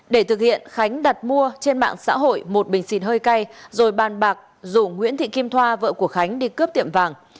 để thực hiện khánh đặt mua trên mạng xã hội một bình xịt hơi cay rồi bàn bạc rủ nguyễn thị kim thoa vợ của khánh đi cướp tiệm vàng